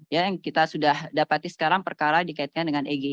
yang kita sudah dapati sekarang perkara dikaitkan dengan eg